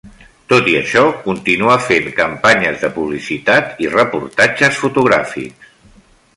Tot i això, continua fent campanyes de publicitat i reportatges fotogràfics.